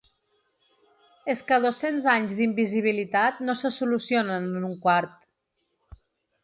És que dos-cents anys d’invisibilitat no se solucionen en un quart.